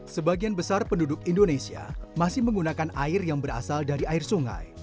sebagian besar penduduk indonesia masih menggunakan air yang berasal dari air sungai